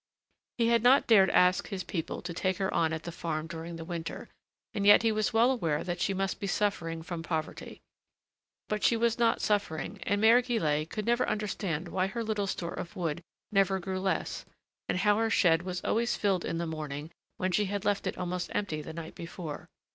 He had not dared ask his people to take her on at the farm during the winter, and yet he was well aware that she must be suffering from poverty. But she was not suffering, and Mère Guillette could never understand why her little store of wood never grew less, and how her shed was always filled in the morning when she had left it almost empty the night before.